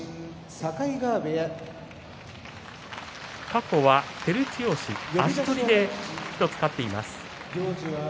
過去は照強足取りで１つ勝っています。